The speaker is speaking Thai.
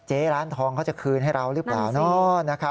เจ๊ร้านทองเขาจะคืนให้เรารึเปล่านั่นสิ